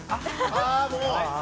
ああもう。